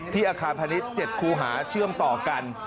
อาคารพาณิชย์๗คูหาเชื่อมต่อกัน